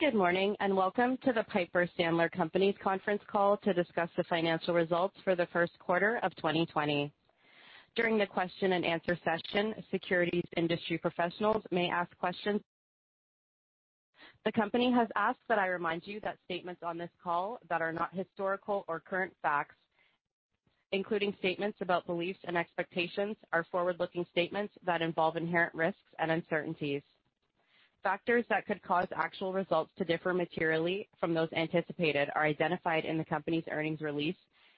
Good morning and welcome to the Piper Sandler Companies conference call to discuss the financial results for the first quarter of 2020. During the question-and-answer session, securities industry professionals may ask questions. The company has asked that I remind you that statements on this call that are not historical or current facts, including statements about beliefs and expectations, are forward-looking statements that involve inherent risks and uncertainties. Factors that could cause actual results to differ materially from those anticipated are identified in the company's earnings release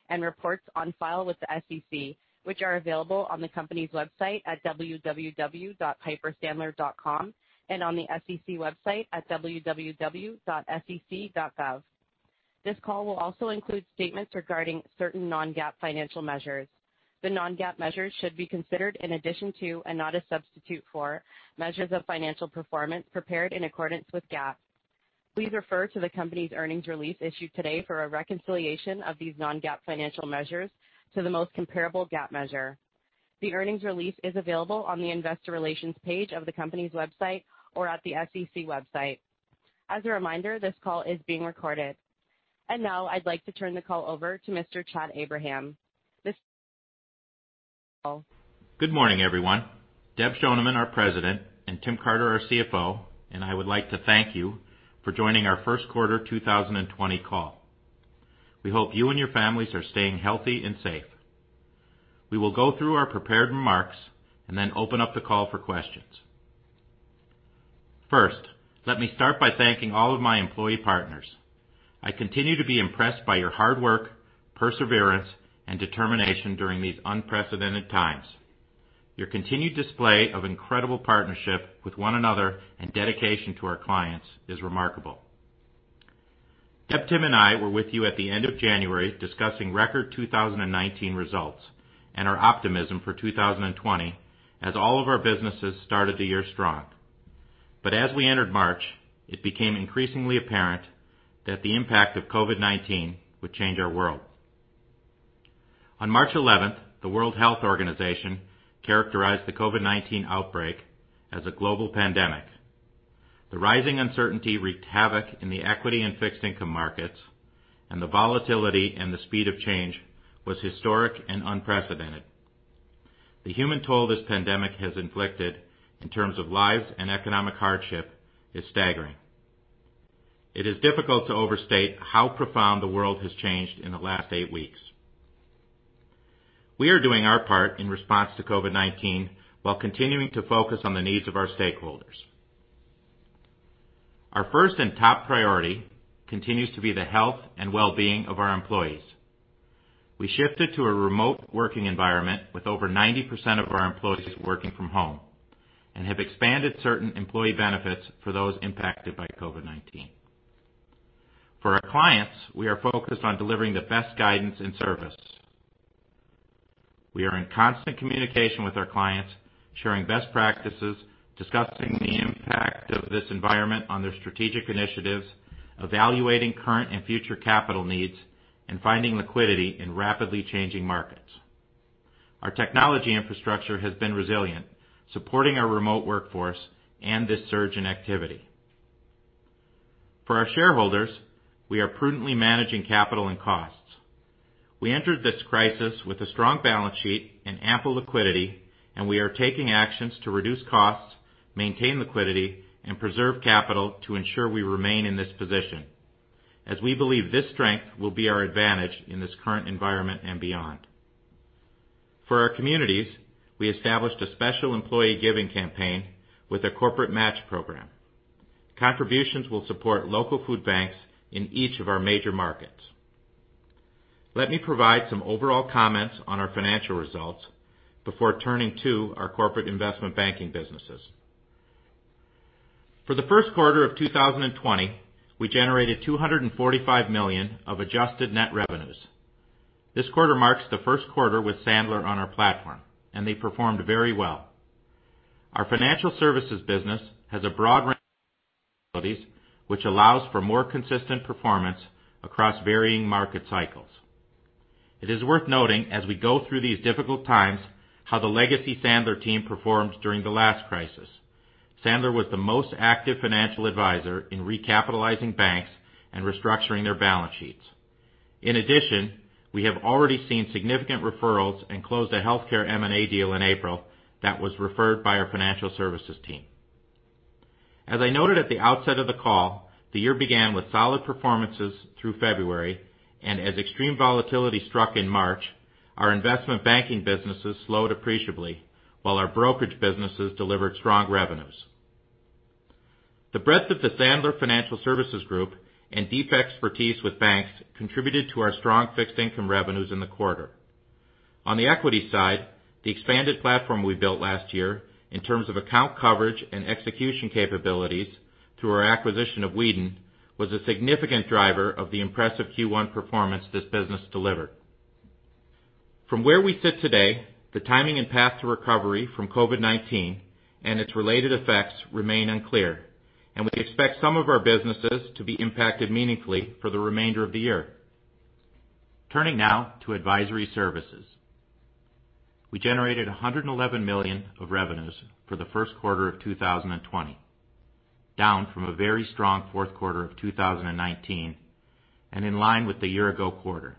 and reports on file with the SEC, which are available on the company's website at www.pipersandler.com and on the SEC website at www.sec.gov. This call will also include statements regarding certain non-GAAP financial measures. The non-GAAP measures should be considered in addition to, and not a substitute for, measures of financial performance prepared in accordance with GAAP. Please refer to the company's earnings release issued today for a reconciliation of these non-GAAP financial measures to the most comparable GAAP measure. The earnings release is available on the investor relations page of the company's website or at the SEC website. As a reminder, this call is being recorded. And now I'd like to turn the call over to Mr. Chad Abraham. Good morning, everyone. Deb Schoneman, our President, and Tim Carter, our CFO, and I would like to thank you for joining our first quarter 2020 call. We hope you and your families are staying healthy and safe. We will go through our prepared remarks and then open up the call for questions. First, let me start by thanking all of my employee partners. I continue to be impressed by your hard work, perseverance, and determination during these unprecedented times. Your continued display of incredible partnership with one another and dedication to our clients is remarkable. Deb, Tim, and I were with you at the end of January discussing record 2019 results and our optimism for 2020 as all of our businesses started the year strong. But as we entered March, it became increasingly apparent that the impact of COVID-19 would change our world. On March 11th, the World Health Organization characterized the COVID-19 outbreak as a global pandemic. The rising uncertainty wreaked havoc in the equity and fixed income markets, and the volatility and the speed of change was historic and unprecedented. The human toll this pandemic has inflicted in terms of lives and economic hardship is staggering. It is difficult to overstate how profound the world has changed in the last eight weeks. We are doing our part in response to COVID-19 while continuing to focus on the needs of our stakeholders. Our first and top priority continues to be the health and well-being of our employees. We shifted to a remote working environment with over 90% of our employees working from home and have expanded certain employee benefits for those impacted by COVID-19. For our clients, we are focused on delivering the best guidance and service. We are in constant communication with our clients, sharing best practices, discussing the impact of this environment on their strategic initiatives, evaluating current and future capital needs, and finding liquidity in rapidly changing markets. Our technology infrastructure has been resilient, supporting our remote workforce and this surge in activity. For our shareholders, we are prudently managing capital and costs. We entered this crisis with a strong balance sheet and ample liquidity, and we are taking actions to reduce costs, maintain liquidity, and preserve capital to ensure we remain in this position, as we believe this strength will be our advantage in this current environment and beyond. For our communities, we established a special employee giving campaign with a corporate match program. Contributions will support local food banks in each of our major markets. Let me provide some overall comments on our financial results before turning to our corporate investment banking businesses. For the first quarter of 2020, we generated $245 million of adjusted net revenues. This quarter marks the first quarter with Sandler on our platform, and they performed very well. Our financial services business has a broad range of capabilities, which allows for more consistent performance across varying market cycles. It is worth noting, as we go through these difficult times, how the legacy Sandler team performed during the last crisis. Sandler was the most active financial advisor in recapitalizing banks and restructuring their balance sheets. In addition, we have already seen significant referrals and closed a healthcare M&A deal in April that was referred by our financial services team. As I noted at the outset of the call, the year began with solid performances through February, and as extreme volatility struck in March, our investment banking businesses slowed appreciably while our brokerage businesses delivered strong revenues. The breadth of the Sandler Financial Services Group and deep expertise with banks contributed to our strong fixed income revenues in the quarter. On the equity side, the expanded platform we built last year in terms of account coverage and execution capabilities through our acquisition of Weeden was a significant driver of the impressive Q1 performance this business delivered. From where we sit today, the timing and path to recovery from COVID-19 and its related effects remain unclear, and we expect some of our businesses to be impacted meaningfully for the remainder of the year. Turning now to advisory services, we generated $111 million of revenues for the first quarter of 2020, down from a very strong fourth quarter of 2019 and in line with the year-ago quarter,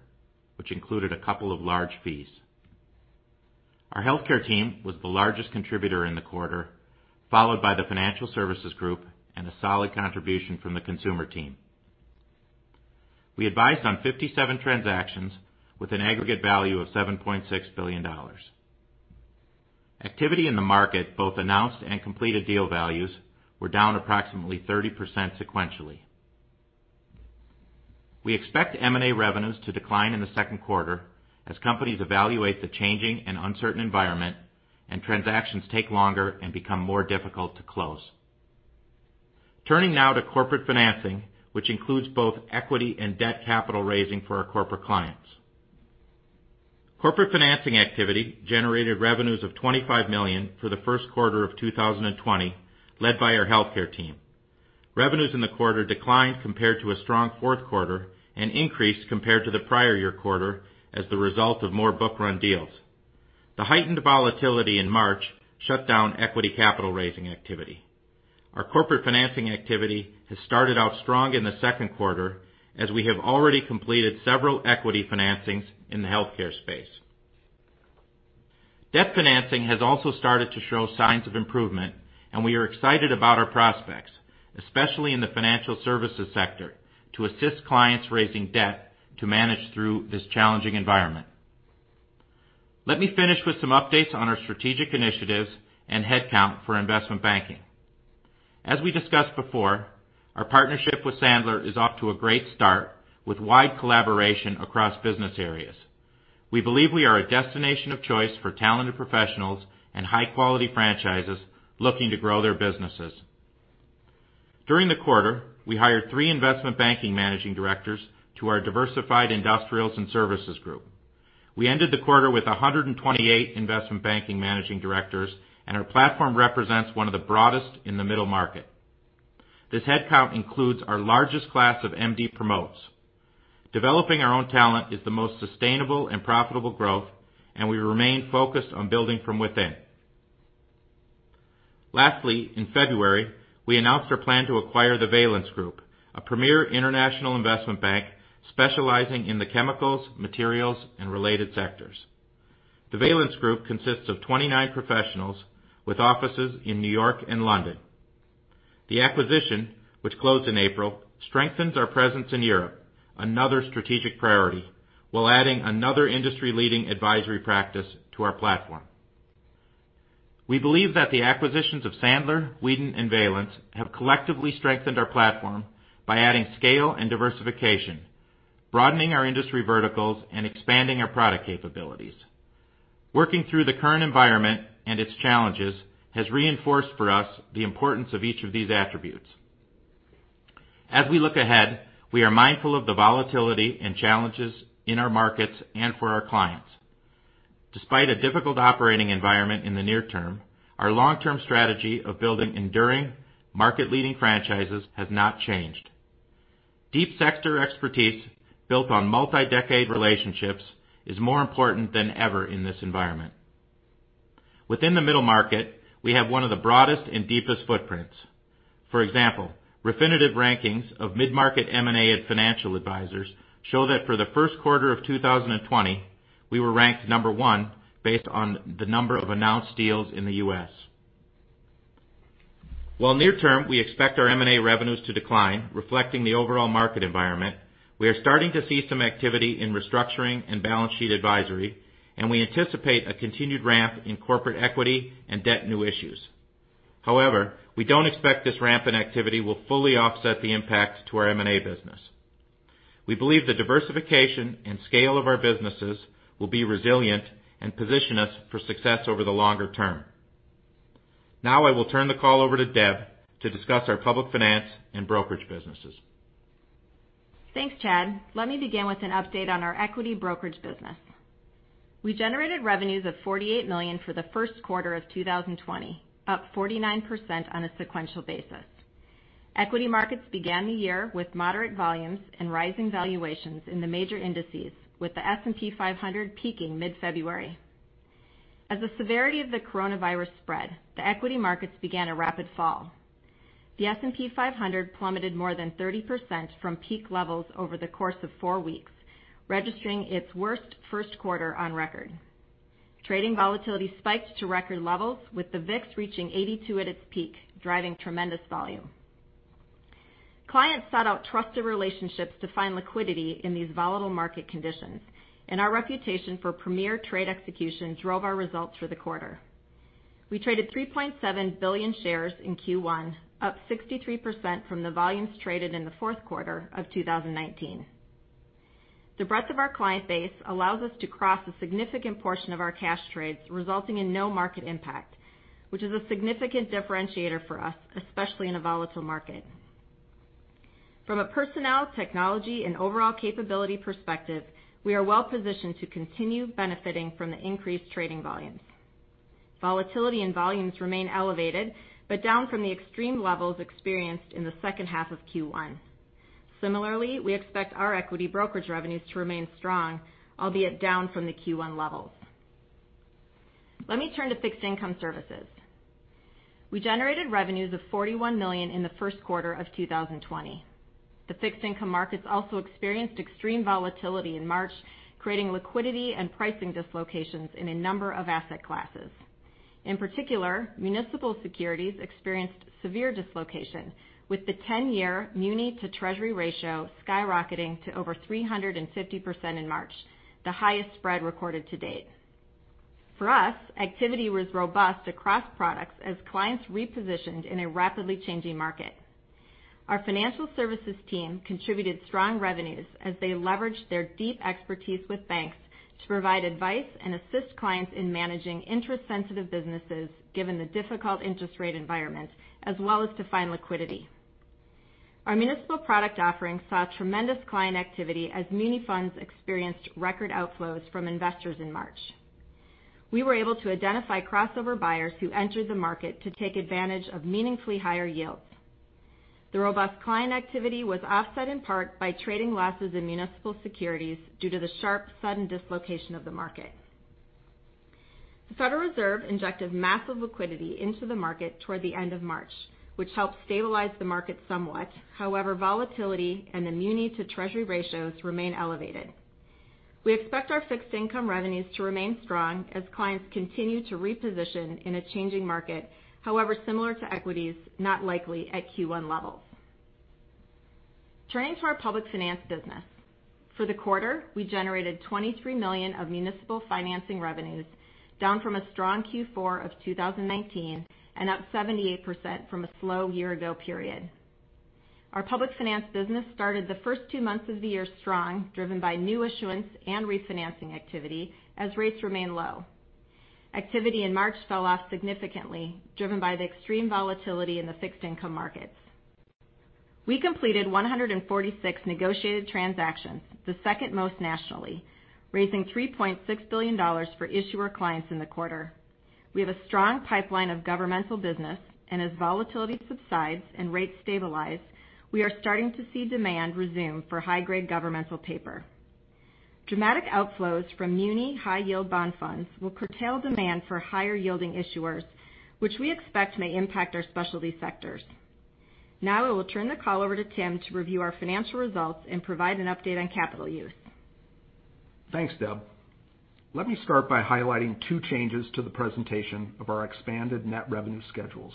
which included a couple of large fees. Our Healthcare team was the largest contributor in the quarter, followed by the Financial Services Group and a solid contribution from the Consumer team. We advised on 57 transactions with an aggregate value of $7.6 billion. Activity in the market, both announced and completed deal values, were down approximately 30% sequentially. We expect M&A revenues to decline in the second quarter as companies evaluate the changing and uncertain environment and transactions take longer and become more difficult to close. Turning now to corporate financing, which includes both equity and debt capital raising for our corporate clients. Corporate financing activity generated revenues of $25 million for the first quarter of 2020, led by our Healthcare team. Revenues in the quarter declined compared to a strong fourth quarter and increased compared to the prior year quarter as the result of more book-run deals. The heightened volatility in March shut down equity capital raising activity. Our corporate financing activity has started out strong in the second quarter as we have already completed several equity financings in the healthcare space. Debt financing has also started to show signs of improvement, and we are excited about our prospects, especially in the financial services sector, to assist clients raising debt to manage through this challenging environment. Let me finish with some updates on our strategic initiatives and headcount for investment banking. As we discussed before, our partnership with Sandler is off to a great start with wide collaboration across business areas. We believe we are a destination of choice for talented professionals and high-quality franchises looking to grow their businesses. During the quarter, we hired three investment banking managing directors to our Diversified Industrials and Services Group. We ended the quarter with 128 investment banking managing directors, and our platform represents one of the broadest in the middle market. This headcount includes our largest class of MD promotes. Developing our own talent is the most sustainable and profitable growth, and we remain focused on building from within. Lastly, in February, we announced our plan to acquire the Valence Group, a premier international investment bank specializing in the chemicals, materials, and related sectors. The Valence Group consists of 29 professionals with offices in New York and London. The acquisition, which closed in April, strengthens our presence in Europe, another strategic priority, while adding another industry-leading advisory practice to our platform. We believe that the acquisitions of Sandler, Weeden, and Valence have collectively strengthened our platform by adding scale and diversification, broadening our industry verticals, and expanding our product capabilities. Working through the current environment and its challenges has reinforced for us the importance of each of these attributes. As we look ahead, we are mindful of the volatility and challenges in our markets and for our clients. Despite a difficult operating environment in the near term, our long-term strategy of building enduring, market-leading franchises has not changed. Deep sector expertise built on multi-decade relationships is more important than ever in this environment. Within the middle market, we have one of the broadest and deepest footprints. For example, Refinitiv rankings of mid-market M&A and financial advisors show that for the first quarter of 2020, we were ranked number one based on the number of announced deals in the U.S. While near-term we expect our M&A revenues to decline, reflecting the overall market environment, we are starting to see some activity in restructuring and balance sheet advisory, and we anticipate a continued ramp in corporate equity and debt new issues. However, we don't expect this ramp in activity will fully offset the impact to our M&A business. We believe the diversification and scale of our businesses will be resilient and position us for success over the longer term. Now I will turn the call over to Deb to discuss our public finance and brokerage businesses. Thanks, Chad. Let me begin with an update on our equity brokerage business. We generated revenues of $48 million for the first quarter of 2020, up 49% on a sequential basis. Equity markets began the year with moderate volumes and rising valuations in the major indices, with the S&P 500 peaking mid-February. As the severity of the coronavirus spread, the equity markets began a rapid fall. The S&P 500 plummeted more than 30% from peak levels over the course of four weeks, registering its worst first quarter on record. Trading volatility spiked to record levels, with the VIX reaching 82 at its peak, driving tremendous volume. Clients sought out trusted relationships to find liquidity in these volatile market conditions, and our reputation for premier trade execution drove our results for the quarter. We traded 3.7 billion shares in Q1, up 63% from the volumes traded in the fourth quarter of 2019. The breadth of our client base allows us to cross a significant portion of our cash trades, resulting in no market impact, which is a significant differentiator for us, especially in a volatile market. From a personnel, technology, and overall capability perspective, we are well positioned to continue benefiting from the increased trading volumes. Volatility and volumes remain elevated but down from the extreme levels experienced in the second half of Q1. Similarly, we expect our equity brokerage revenues to remain strong, albeit down from the Q1 levels. Let me turn to fixed income services. We generated revenues of $41 million in the first quarter of 2020. The fixed income markets also experienced extreme volatility in March, creating liquidity and pricing dislocations in a number of asset classes. In particular, municipal securities experienced severe dislocation, with the 10-year muni to Treasury ratio skyrocketing to over 350% in March, the highest spread recorded to date. For us, activity was robust across products as clients repositioned in a rapidly changing market. Our financial services team contributed strong revenues as they leveraged their deep expertise with banks to provide advice and assist clients in managing interest-sensitive businesses given the difficult interest rate environment, as well as to find liquidity. Our municipal product offering saw tremendous client activity as muni funds experienced record outflows from investors in March. We were able to identify crossover buyers who entered the market to take advantage of meaningfully higher yields. The robust client activity was offset in part by trading losses in municipal securities due to the sharp, sudden dislocation of the market. The Federal Reserve injected massive liquidity into the market toward the end of March, which helped stabilize the market somewhat. However, volatility and the muni to Treasury ratios remain elevated. We expect our fixed income revenues to remain strong as clients continue to reposition in a changing market, however similar to equities, not likely at Q1 levels. Turning to our public finance business. For the quarter, we generated $23 million of municipal financing revenues, down from a strong Q4 of 2019 and up 78% from a slow year-ago period. Our public finance business started the first two months of the year strong, driven by new issuance and refinancing activity as rates remained low. Activity in March fell off significantly, driven by the extreme volatility in the fixed income markets. We completed 146 negotiated transactions, the second most nationally, raising $3.6 billion for issuer clients in the quarter. We have a strong pipeline of governmental business, and as volatility subsides and rates stabilize, we are starting to see demand resume for high-grade governmental paper. Dramatic outflows from muni high-yield bond funds will curtail demand for higher-yielding issuers, which we expect may impact our specialty sectors. Now I will turn the call over to Tim to review our financial results and provide an update on capital use. Thanks, Deb. Let me start by highlighting two changes to the presentation of our expanded net revenue schedules.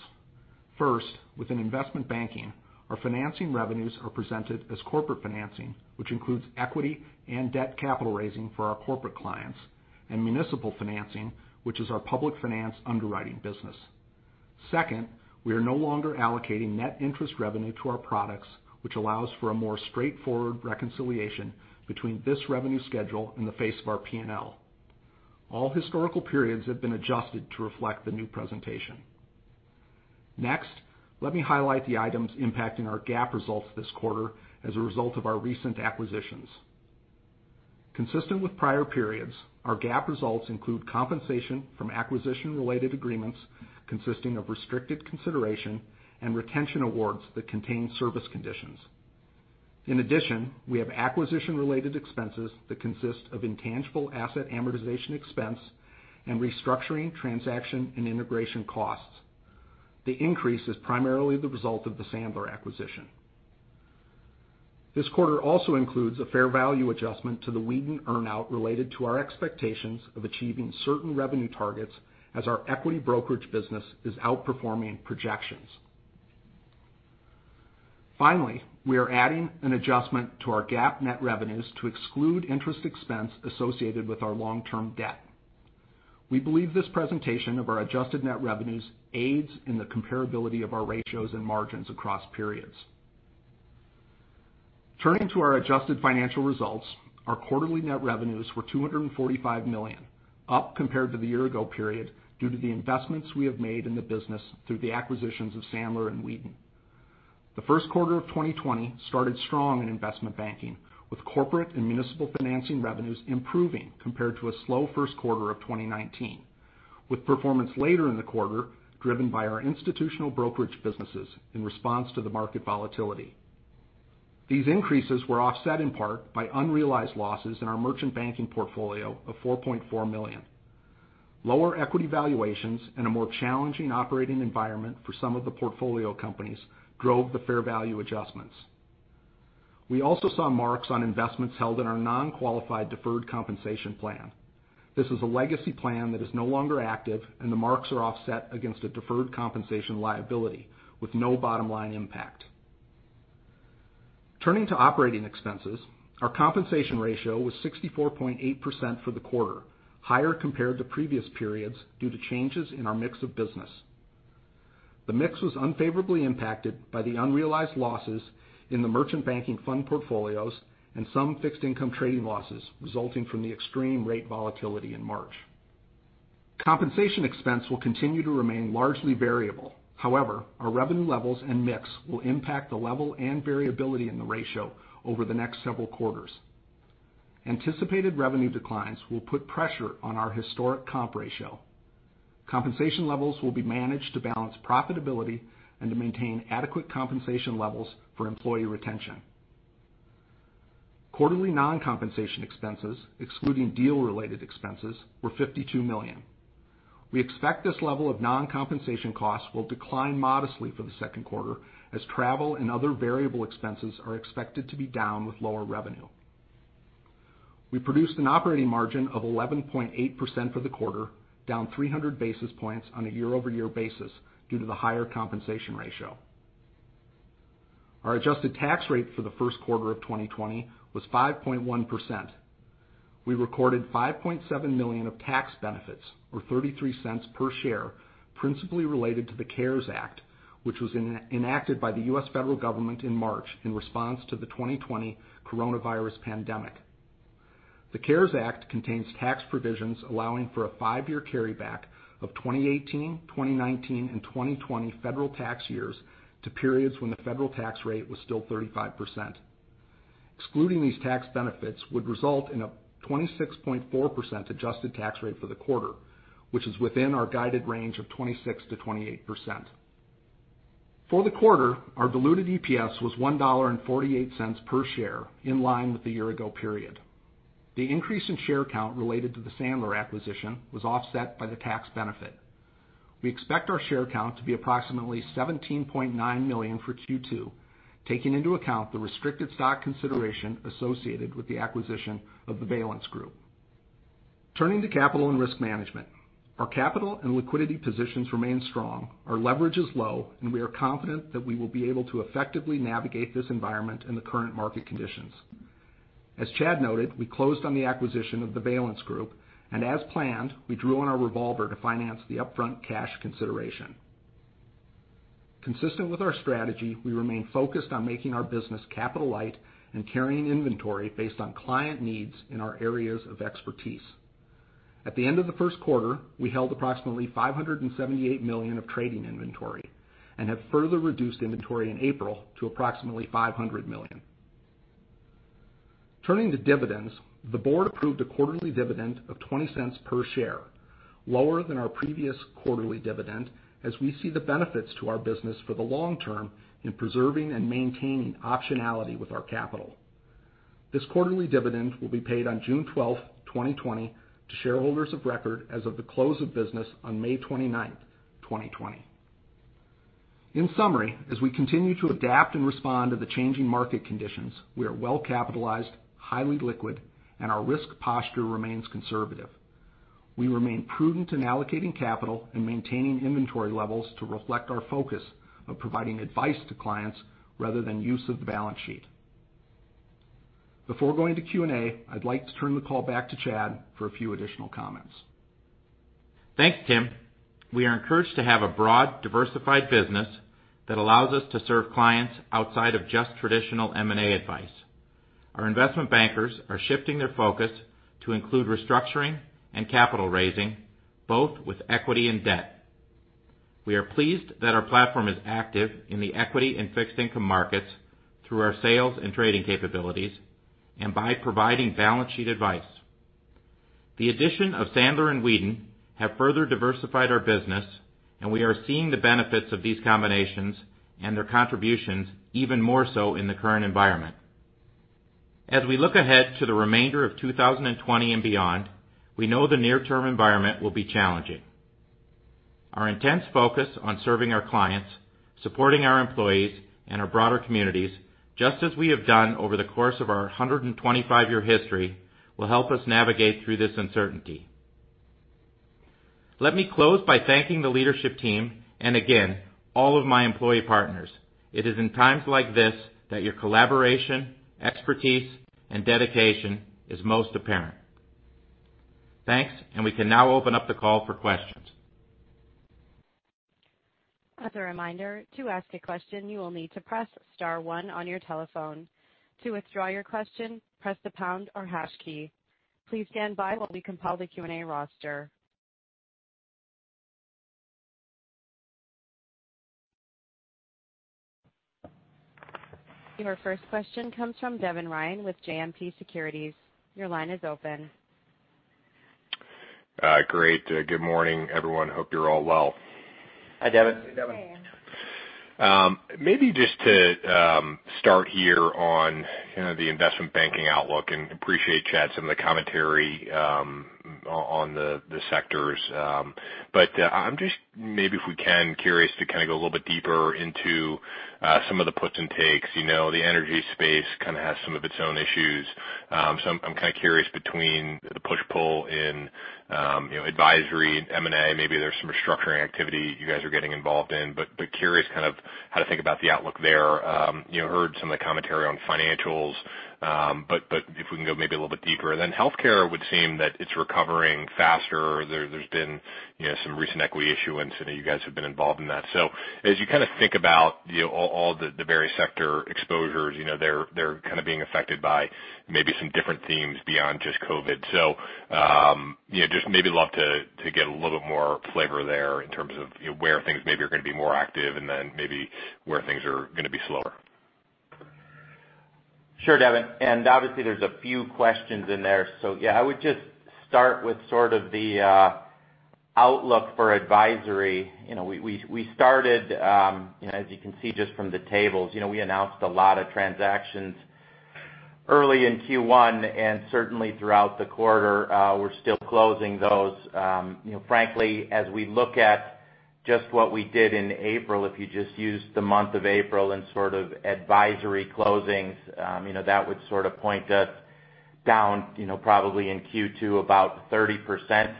First, within investment banking, our financing revenues are presented as corporate financing, which includes equity and debt capital raising for our corporate clients, and municipal financing, which is our public finance underwriting business. Second, we are no longer allocating net interest revenue to our products, which allows for a more straightforward reconciliation between this revenue schedule and our P&L. All historical periods have been adjusted to reflect the new presentation. Next, let me highlight the items impacting our GAAP results this quarter as a result of our recent acquisitions. Consistent with prior periods, our GAAP results include compensation from acquisition-related agreements consisting of restricted consideration and retention awards that contain service conditions. In addition, we have acquisition-related expenses that consist of intangible asset amortization expense and restructuring transaction and integration costs. The increase is primarily the result of the Sandler acquisition. This quarter also includes a fair value adjustment to the Weeden earnout related to our expectations of achieving certain revenue targets as our equity brokerage business is outperforming projections. Finally, we are adding an adjustment to our GAAP net revenues to exclude interest expense associated with our long-term debt. We believe this presentation of our adjusted net revenues aids in the comparability of our ratios and margins across periods. Turning to our adjusted financial results, our quarterly net revenues were $245 million, up compared to the year-ago period due to the investments we have made in the business through the acquisitions of Sandler and Weeden. The first quarter of 2020 started strong in investment banking, with corporate and municipal financing revenues improving compared to a slow first quarter of 2019, with performance later in the quarter driven by our institutional brokerage businesses in response to the market volatility. These increases were offset in part by unrealized losses in our merchant banking portfolio of $4.4 million. Lower equity valuations and a more challenging operating environment for some of the portfolio companies drove the fair value adjustments. We also saw marks on investments held in our non-qualified deferred compensation plan. This is a legacy plan that is no longer active, and the marks are offset against a deferred compensation liability with no bottom-line impact. Turning to operating expenses, our compensation ratio was 64.8% for the quarter, higher compared to previous periods due to changes in our mix of business. The mix was unfavorably impacted by the unrealized losses in the merchant banking fund portfolios and some fixed income trading losses resulting from the extreme rate volatility in March. Compensation expense will continue to remain largely variable. However, our revenue levels and mix will impact the level and variability in the ratio over the next several quarters. Anticipated revenue declines will put pressure on our historic comp ratio. Compensation levels will be managed to balance profitability and to maintain adequate compensation levels for employee retention. Quarterly non-compensation expenses, excluding deal-related expenses, were $52 million. We expect this level of non-compensation costs will decline modestly for the second quarter as travel and other variable expenses are expected to be down with lower revenue. We produced an operating margin of 11.8% for the quarter, down 300 basis points on a year-over-year basis due to the higher compensation ratio. Our adjusted tax rate for the first quarter of 2020 was 5.1%. We recorded $5.7 million of tax benefits, or $0.33 per share, principally related to the CARES Act, which was enacted by the U.S. federal government in March in response to the 2020 coronavirus pandemic. The CARES Act contains tax provisions allowing for a five-year carryback of 2018, 2019, and 2020 federal tax years to periods when the federal tax rate was still 35%. Excluding these tax benefits would result in a 26.4% adjusted tax rate for the quarter, which is within our guided range of 26%-28%. For the quarter, our diluted EPS was $1.48 per share, in line with the year-ago period. The increase in share count related to the Sandler acquisition was offset by the tax benefit. We expect our share count to be approximately 17.9 million for Q2, taking into account the restricted stock consideration associated with the acquisition of The Valence Group. Turning to capital and risk management, our capital and liquidity positions remain strong, our leverage is low, and we are confident that we will be able to effectively navigate this environment in the current market conditions. As Chad noted, we closed on the acquisition of The Valence Group, and as planned, we drew on our revolver to finance the upfront cash consideration. Consistent with our strategy, we remain focused on making our business capital-light and carrying inventory based on client needs in our areas of expertise. At the end of the first quarter, we held approximately $578 million of trading inventory and have further reduced inventory in April to approximately $500 million. Turning to dividends, the board approved a quarterly dividend of $0.20 per share, lower than our previous quarterly dividend, as we see the benefits to our business for the long term in preserving and maintaining optionality with our capital. This quarterly dividend will be paid on June 12, 2020, to shareholders of record as of the close of business on May 29, 2020. In summary, as we continue to adapt and respond to the changing market conditions, we are well-capitalized, highly liquid, and our risk posture remains conservative. We remain prudent in allocating capital and maintaining inventory levels to reflect our focus of providing advice to clients rather than use of the balance sheet. Before going to Q&A, I'd like to turn the call back to Chad for a few additional comments. Thanks, Tim. We are encouraged to have a broad, diversified business that allows us to serve clients outside of just traditional M&A advice. Our investment bankers are shifting their focus to include restructuring and capital raising, both with equity and debt. We are pleased that our platform is active in the equity and fixed income markets through our sales and trading capabilities and by providing balance sheet advice. The addition of Sandler and Weeden have further diversified our business, and we are seeing the benefits of these combinations and their contributions even more so in the current environment. As we look ahead to the remainder of 2020 and beyond, we know the near-term environment will be challenging. Our intense focus on serving our clients, supporting our employees, and our broader communities, just as we have done over the course of our 125-year history, will help us navigate through this uncertainty. Let me close by thanking the leadership team and, again, all of my employee partners. It is in times like this that your collaboration, expertise, and dedication is most apparent. Thanks, and we can now open up the call for questions. As a reminder, to ask a question, you will need to press star one on your telephone. To withdraw your question, press the pound or hash key. Please stand by while we compile the Q&A roster. Your first question comes from Devin Ryan with JMP Securities. Your line is open. Hi, great. Good morning, everyone. Hope you're all well. Hi, Devin. Hey, Devin. Maybe just to start here on the investment banking outlook, and appreciate, Chad, some of the commentary on the sectors. But I'm just, maybe if we can, curious to kind of go a little bit deeper into some of the puts and takes. The energy space kind of has some of its own issues. So I'm kind of curious between the push-pull in advisory, M&A, maybe there's some restructuring activity you guys are getting involved in. But curious kind of how to think about the outlook there. Heard some of the commentary on financials, but if we can go maybe a little bit deeper. And then healthcare would seem that it's recovering faster. There's been some recent equity issuance, and you guys have been involved in that. So, as you kind of think about all the various sector exposures, they're kind of being affected by maybe some different themes beyond just COVID. So, just maybe love to get a little bit more flavor there in terms of where things maybe are going to be more active and then maybe where things are going to be slower. Sure, Devin. And obviously, there's a few questions in there. So yeah, I would just start with sort of the outlook for advisory. We started, as you can see just from the tables, we announced a lot of transactions early in Q1, and certainly throughout the quarter, we're still closing those. Frankly, as we look at just what we did in April, if you just use the month of April and sort of advisory closings, that would sort of point us down probably in Q2 about 30%.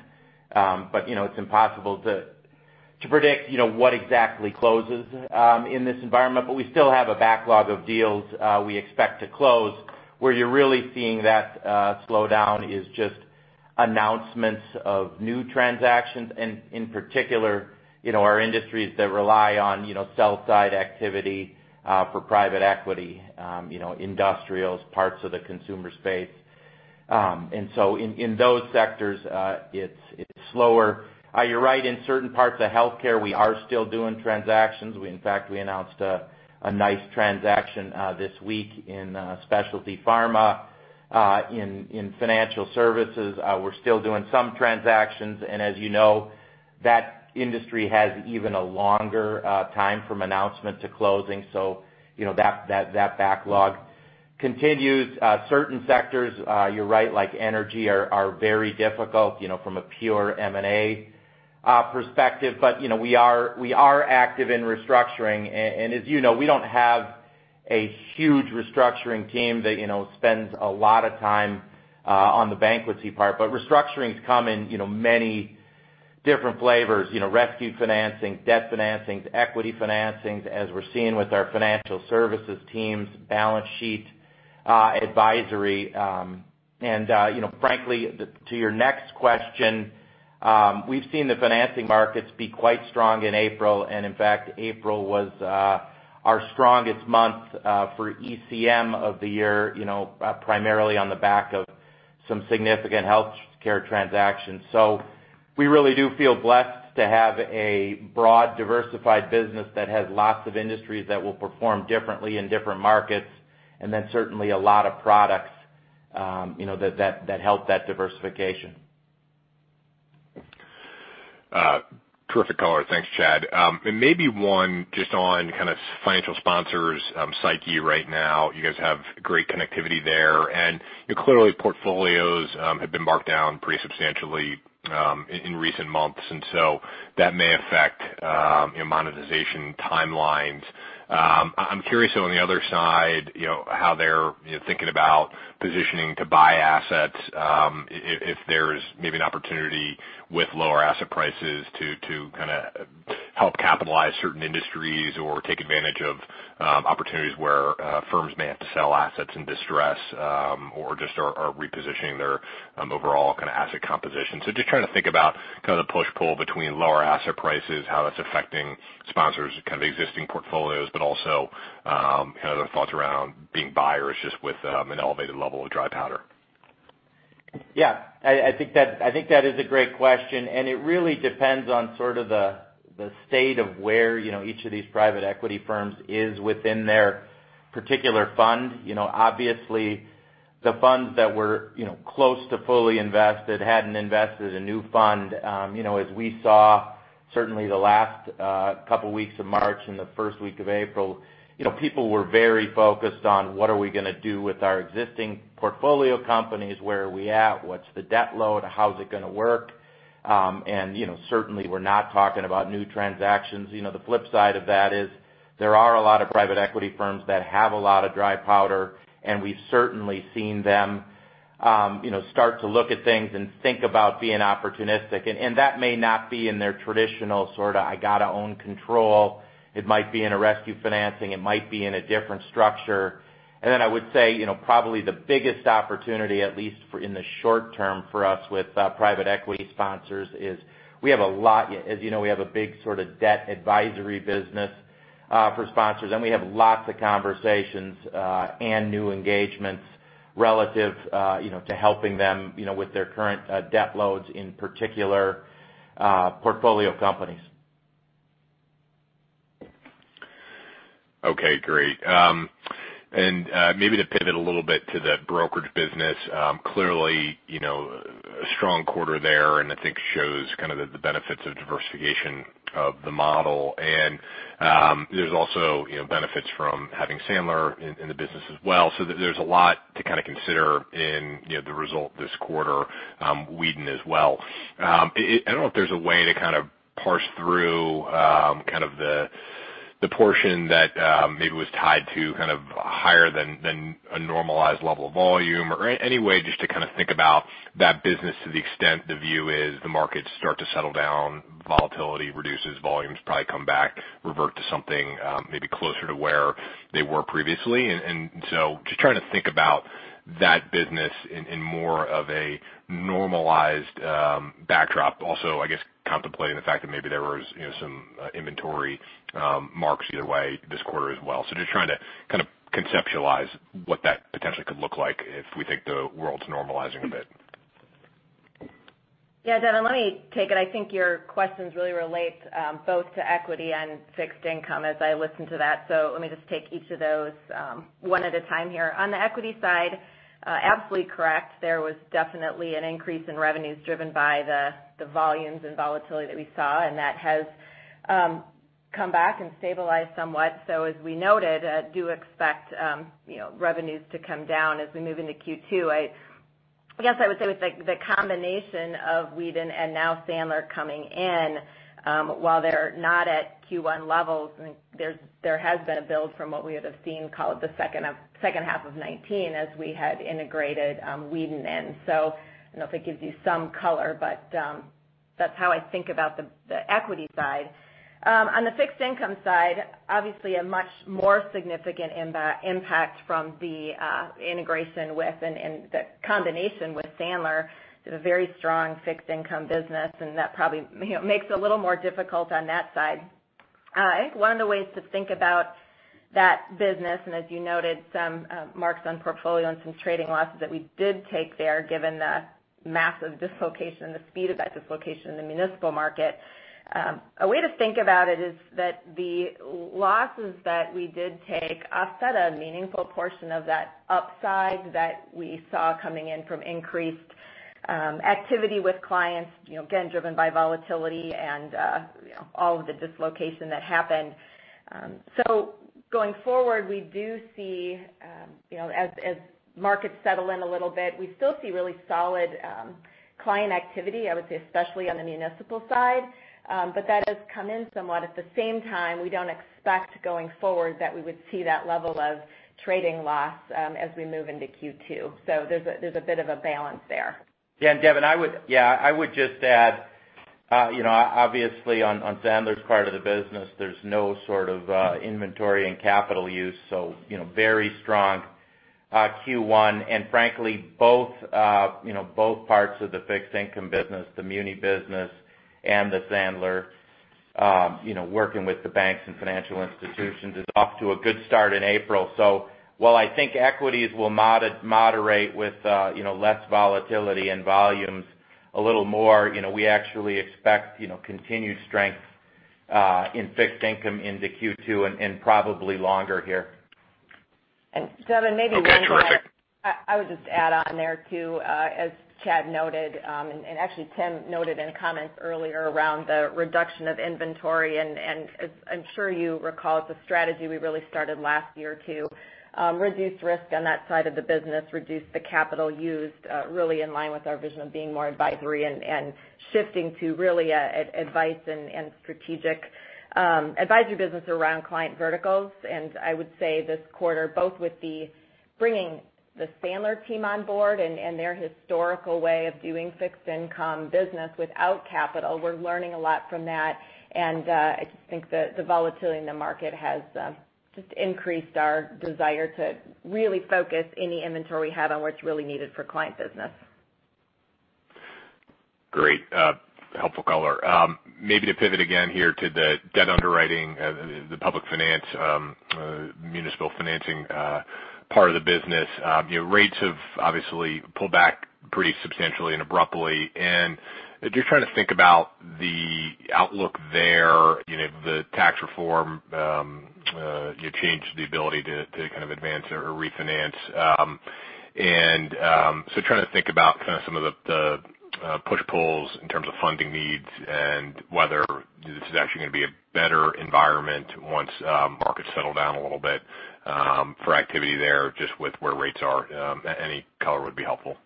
But it's impossible to predict what exactly closes in this environment, but we still have a backlog of deals we expect to close. Where you're really seeing that slowdown is just announcements of new transactions, and in particular, our industries that rely on sell-side activity for private equity, industrials, parts of the consumer space. And so in those sectors, it's slower. You're right, in certain parts of healthcare, we are still doing transactions. In fact, we announced a nice transaction this week in specialty pharma. In financial services, we're still doing some transactions. And as you know, that industry has even a longer time from announcement to closing. So that backlog continues. Certain sectors, you're right, like energy, are very difficult from a pure M&A perspective. But we are active in restructuring. And as you know, we don't have a huge restructuring team that spends a lot of time on the bankruptcy part. But restructurings come in many different flavors: rescue financing, debt financing, equity financings, as we're seeing with our financial services teams, balance sheet advisory. And frankly, to your next question, we've seen the financing markets be quite strong in April. And in fact, April was our strongest month for ECM of the year, primarily on the back of some significant healthcare transactions. So we really do feel blessed to have a broad, diversified business that has lots of industries that will perform differently in different markets, and then certainly a lot of products that help that diversification. Terrific color. Thanks, Chad. And maybe one just on kind of financial sponsors' psyche right now. You guys have great connectivity there. And clearly, portfolios have been marked down pretty substantially in recent months. And so that may affect monetization timelines. I'm curious on the other side how they're thinking about positioning to buy assets if there's maybe an opportunity with lower asset prices to kind of help capitalize certain industries or take advantage of opportunities where firms may have to sell assets in distress or just are repositioning their overall kind of asset composition. So just trying to think about kind of the push-pull between lower asset prices, how that's affecting sponsors' kind of existing portfolios, but also kind of their thoughts around being buyers just with an elevated level of dry powder. Yeah. I think that is a great question, and it really depends on sort of the state of where each of these private equity firms is within their particular fund. Obviously, the funds that were close to fully invested hadn't invested a new fund. As we saw, certainly the last couple of weeks of March and the first week of April, people were very focused on, "What are we going to do with our existing portfolio companies? Where are we at? What's the debt load? How's it going to work?" and certainly, we're not talking about new transactions. The flip side of that is there are a lot of private equity firms that have a lot of dry powder, and we've certainly seen them start to look at things and think about being opportunistic. That may not be in their traditional sort of, "I got to own control." It might be in a rescue financing. It might be in a different structure. Then I would say probably the biggest opportunity, at least in the short term for us with private equity sponsors, is we have a lot as you know, we have a big sort of debt advisory business for sponsors. We have lots of conversations and new engagements relative to helping them with their current debt loads, in particular, portfolio companies. Okay. Great. And maybe to pivot a little bit to the brokerage business, clearly a strong quarter there, and I think shows kind of the benefits of diversification of the model. And there's also benefits from having Sandler in the business as well. So there's a lot to kind of consider in the result this quarter, Weeden as well. I don't know if there's a way to kind of parse through kind of the portion that maybe was tied to kind of higher than a normalized level of volume or any way just to kind of think about that business to the extent the view is the markets start to settle down, volatility reduces, volumes probably come back, revert to something maybe closer to where they were previously. And so just trying to think about that business in more of a normalized backdrop. Also, I guess, contemplating the fact that maybe there were some inventory marks either way this quarter as well. So just trying to kind of conceptualize what that potentially could look like if we think the world's normalizing a bit. Yeah, Devin, let me take it. I think your questions really relate both to equity and fixed income as I listen to that. So let me just take each of those one at a time here. On the equity side, absolutely correct. There was definitely an increase in revenues driven by the volumes and volatility that we saw, and that has come back and stabilized somewhat. So as we noted, do expect revenues to come down as we move into Q2. I guess I would say with the combination of Weeden and now Sandler coming in, while they're not at Q1 levels, there has been a build from what we would have seen called the second half of 2019 as we had integrated Weeden in. So I don't know if it gives you some color, but that's how I think about the equity side. On the fixed income side, obviously a much more significant impact from the integration with and the combination with Sandler. They have a very strong fixed income business, and that probably makes it a little more difficult on that side. I think one of the ways to think about that business, and as you noted, some marks on portfolio and some trading losses that we did take there, given the massive dislocation and the speed of that dislocation in the municipal market, a way to think about it is that the losses that we did take offset a meaningful portion of that upside that we saw coming in from increased activity with clients, again, driven by volatility and all of the dislocation that happened. So going forward, we do see as markets settle in a little bit, we still see really solid client activity, I would say, especially on the municipal side. But that has come in somewhat. At the same time, we don't expect going forward that we would see that level of trading loss as we move into Q2. So there's a bit of a balance there. Yeah, and Devin, I would just add, obviously, on Sandler's part of the business, there's no sort of inventory and capital use. So very strong Q1, and frankly, both parts of the fixed income business, the muni business and the Sandler, working with the banks and financial institutions, is off to a good start in April, so while I think equities will moderate with less volatility and volumes a little more, we actually expect continued strength in fixed income into Q2 and probably longer here. And Devin, maybe one more. That's all right. I would just add on there too, as Chad noted, and actually Tim noted in comments earlier around the reduction of inventory. And I'm sure you recall it's a strategy we really started last year to reduce risk on that side of the business, reduce the capital used, really in line with our vision of being more advisory and shifting to really advice and strategic advisory business around client verticals. And I would say this quarter, both with bringing the Sandler team on board and their historical way of doing fixed income business without capital, we're learning a lot from that. And I just think that the volatility in the market has just increased our desire to really focus any inventory we have on what's really needed for client business. Great. Helpful color. Maybe to pivot again here to the debt underwriting, the public finance, municipal financing part of the business. Rates have obviously pulled back pretty substantially and abruptly, and just trying to think about the outlook there. The tax reform changed the ability to kind of advance or refinance, and so trying to think about kind of some of the push-pulls in terms of funding needs and whether this is actually going to be a better environment once markets settle down a little bit for activity there just with where rates are. Any color would be helpful.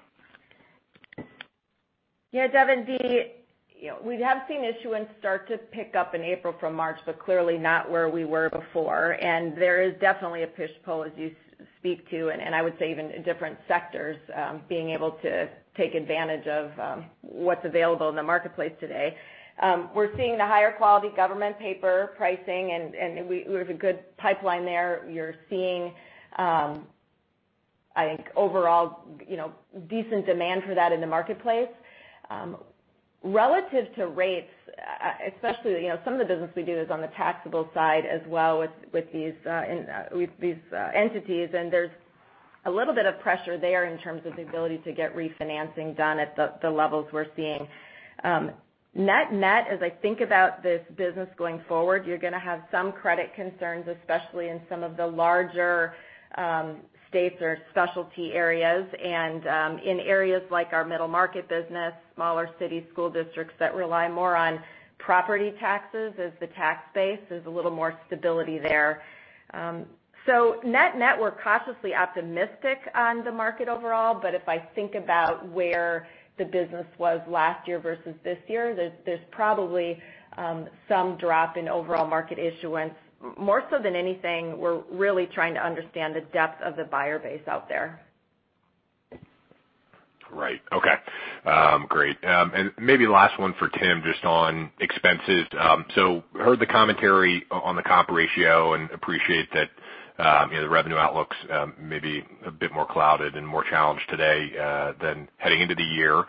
Yeah, Devin, we have seen issuance start to pick up in April from March, but clearly not where we were before. And there is definitely a push-pull as you speak to, and I would say even in different sectors being able to take advantage of what's available in the marketplace today. We're seeing the higher quality government paper pricing, and we have a good pipeline there. You're seeing, I think, overall decent demand for that in the marketplace. Relative to rates, especially some of the business we do is on the taxable side as well with these entities, and there's a little bit of pressure there in terms of the ability to get refinancing done at the levels we're seeing. Net, as I think about this business going forward, you're going to have some credit concerns, especially in some of the larger states or specialty areas. In areas like our middle market business, smaller city school districts that rely more on property taxes as the tax base is a little more stability there. So net net we're cautiously optimistic on the market overall. But if I think about where the business was last year versus this year, there's probably some drop in overall market issuance. More so than anything, we're really trying to understand the depth of the buyer base out there. Right. Okay. Great, and maybe last one for Tim just on expenses, so heard the commentary on the comp ratio and appreciate that the revenue outlook's maybe a bit more clouded and more challenged today than heading into the year,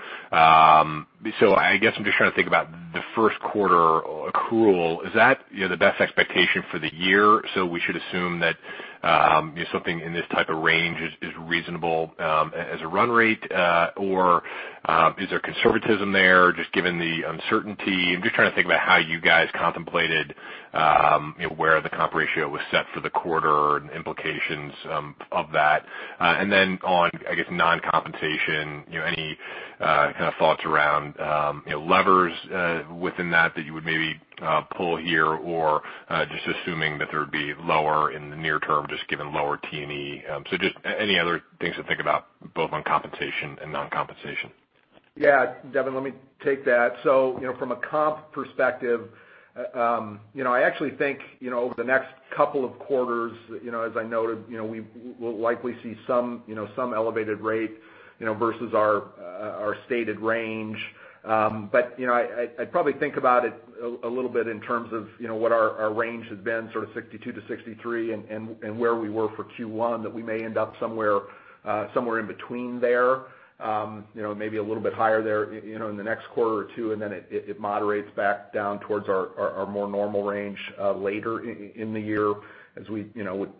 so I guess I'm just trying to think about the first quarter accrual. Is that the best expectation for the year, so we should assume that something in this type of range is reasonable as a run rate. Or is there conservatism there just given the uncertainty? I'm just trying to think about how you guys contemplated where the comp ratio was set for the quarter and implications of that, and then on, I guess, non-compensation, any kind of thoughts around levers within that that you would maybe pull here or just assuming that there would be lower in the near term just given lower T&E? So just any other things to think about both on compensation and non-compensation? Yeah. Devin, let me take that. So from a comp perspective, I actually think over the next couple of quarters, as I noted, we will likely see some elevated rate versus our stated range. But I'd probably think about it a little bit in terms of what our range has been, sort of 62 to 63, and where we were for Q1, that we may end up somewhere in between there, maybe a little bit higher there in the next quarter or two, and then it moderates back down towards our more normal range later in the year as we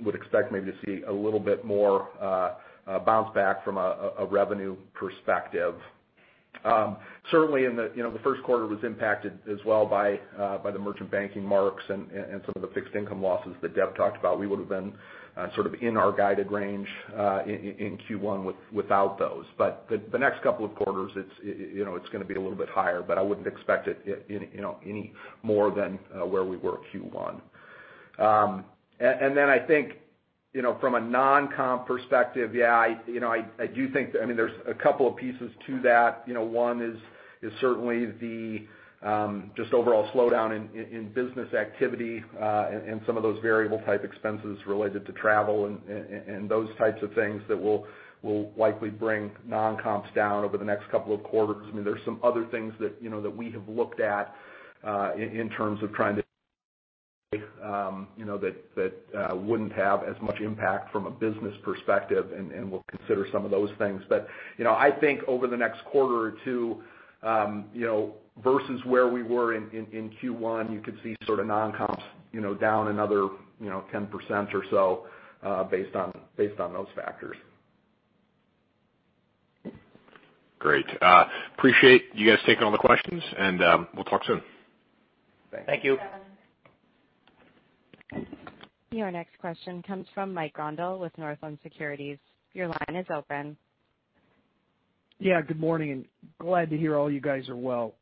would expect maybe to see a little bit more bounce back from a revenue perspective. Certainly, the first quarter was impacted as well by the merchant banking marks and some of the fixed income losses that Deb talked about. We would have been sort of in our guided range in Q1 without those. But the next couple of quarters, it's going to be a little bit higher, but I wouldn't expect it any more than where we were Q1. And then I think from a non-comp perspective, yeah, I do think that I mean, there's a couple of pieces to that. One is certainly the just overall slowdown in business activity and some of those variable-type expenses related to travel and those types of things that will likely bring non-comps down over the next couple of quarters. I mean, there's some other things that we have looked at in terms of trying to that wouldn't have as much impact from a business perspective, and we'll consider some of those things. But I think over the next quarter or two versus where we were in Q1, you could see sort of non-comps down another 10% or so based on those factors. Great. Appreciate you guys taking all the questions, and we'll talk soon. Thank you. Your next question comes from Mike Grondahl with Northland Securities. Your line is open. Yeah. Good morning. Glad to hear all you guys are well.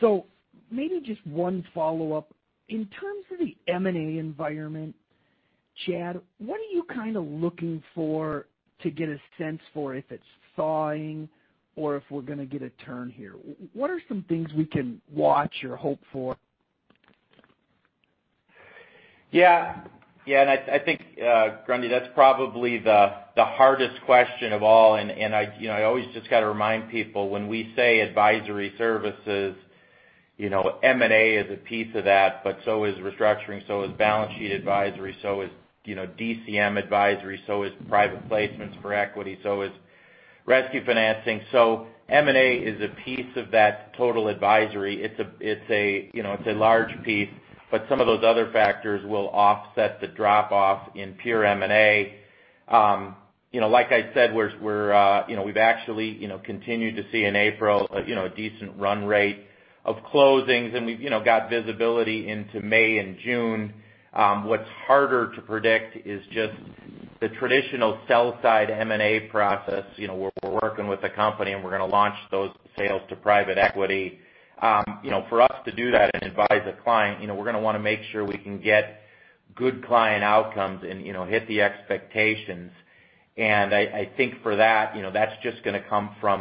So maybe just one follow-up. In terms of the M&A environment, Chad, what are you kind of looking for to get a sense for if it's thawing or if we're going to get a turn here? What are some things we can watch or hope for? Yeah. Yeah, and I think, Grondahl, that's probably the hardest question of all, and I always just got to remind people when we say advisory services, M&A is a piece of that, but so is restructuring, so is balance sheet advisory, so is DCM advisory, so is private placements for equity, so is rescue financing. So M&A is a piece of that total advisory. It's a large piece, but some of those other factors will offset the drop-off in pure M&A. Like I said, we've actually continued to see in April a decent run rate of closings, and we've got visibility into May and June. What's harder to predict is just the traditional sell-side M&A process where we're working with a company and we're going to launch those sales to private equity. For us to do that and advise a client, we're going to want to make sure we can get good client outcomes and hit the expectations. And I think for that, that's just going to come from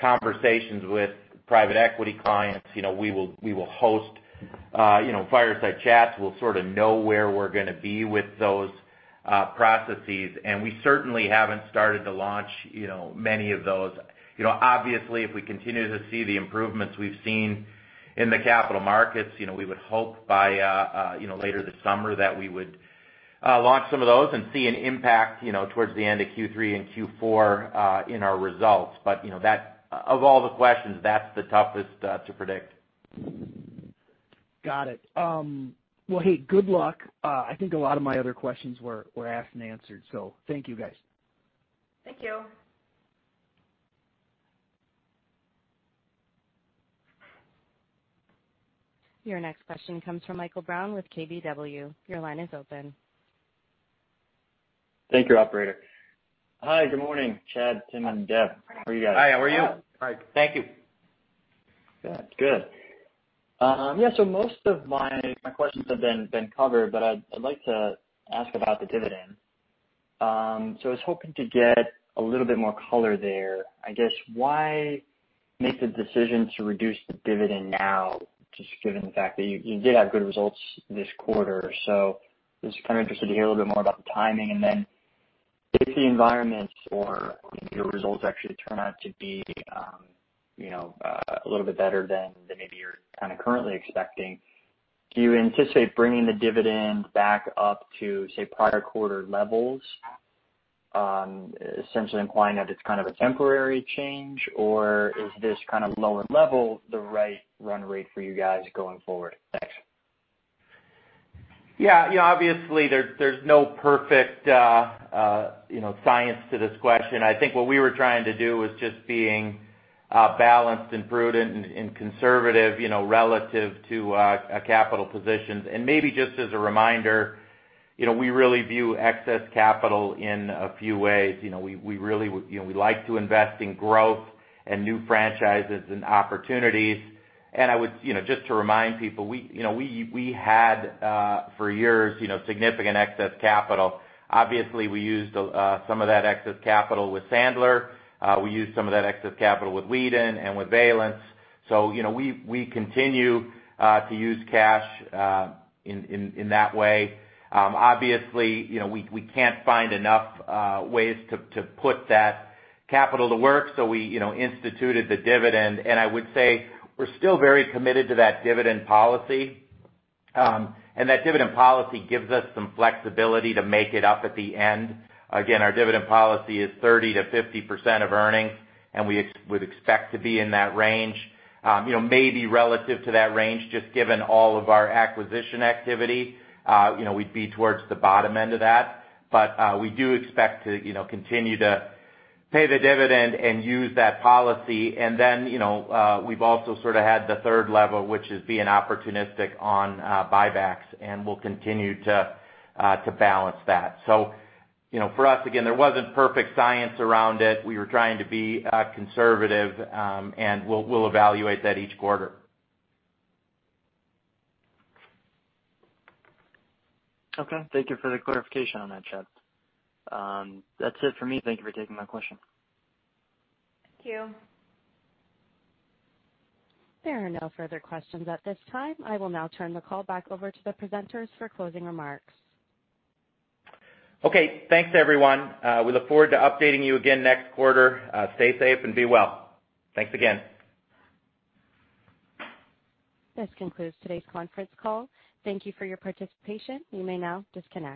conversations with private equity clients. We will host fireside chats. We'll sort of know where we're going to be with those processes. And we certainly haven't started to launch many of those. Obviously, if we continue to see the improvements we've seen in the capital markets, we would hope by later this summer that we would launch some of those and see an impact towards the end of Q3 and Q4 in our results. But of all the questions, that's the toughest to predict. Got it. Well, hey, good luck. I think a lot of my other questions were asked and answered. So thank you, guys. Thank you. Your next question comes from Michael Brown with KBW. Your line is open. Thank you, Operator. Hi. Good morning, Chad, Tim, and Deb. How are you guys? Hi. How are you? Hi. Thank you. Good. Yeah. So most of my questions have been covered, but I'd like to ask about the dividend. So I was hoping to get a little bit more color there. I guess, why make the decision to reduce the dividend now, just given the fact that you did have good results this quarter? So I was kind of interested to hear a little bit more about the timing. And then if the environments or your results actually turn out to be a little bit better than maybe you're kind of currently expecting, do you anticipate bringing the dividend back up to, say, prior quarter levels, essentially implying that it's kind of a temporary change? Or is this kind of lower level the right run rate for you guys going forward next? Yeah. Obviously, there's no perfect science to this question.I think what we were trying to do was just being balanced and prudent and conservative relative to capital positions, and maybe just as a reminder, we really view excess capital in a few ways. We really would like to invest in growth and new franchises and opportunities, and I would just to remind people, we had for years significant excess capital. Obviously, we used some of that excess capital with Sandler. We used some of that excess capital with Weeden and with Valence, so we continue to use cash in that way. Obviously, we can't find enough ways to put that capital to work, so we instituted the dividend, and I would say we're still very committed to that dividend policy, and that dividend policy gives us some flexibility to make it up at the end. Again, our dividend policy is 30%-50% of earnings, and we would expect to be in that range. Maybe relative to that range, just given all of our acquisition activity, we'd be towards the bottom end of that, but we do expect to continue to pay the dividend and use that policy, and then we've also sort of had the third level, which is being opportunistic on buybacks, and we'll continue to balance that, so for us, again, there wasn't perfect science around it. We were trying to be conservative, and we'll evaluate that each quarter. Okay. Thank you for the clarification on that, Chad. That's it for me. Thank you for taking my question. Thank you. There are no further questions at this time. I will now turn the call back over to the presenters for closing remarks. Okay. Thanks, everyone. We look forward to updating you again next quarter. Stay safe and be well. Thanks again. This concludes today's conference call. Thank you for your participation. You may now disconnect.